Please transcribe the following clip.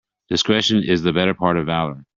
Discretion is the better part of valour.